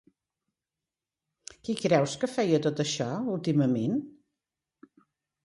Qui creus que feia tot això, últimament?